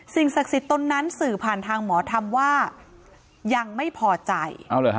ศักดิ์สิทธิ์ตนนั้นสื่อผ่านทางหมอธรรมว่ายังไม่พอใจ